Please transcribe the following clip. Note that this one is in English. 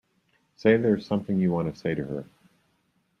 Say there's something you want to say to her.